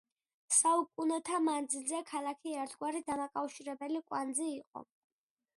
საუკუნეთა მანძილზე, ქალაქი ერთგვარი დამაკავშირებელი კვანძი იყო.